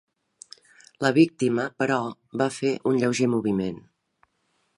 La víctima, però, va fer un lleuger moviment.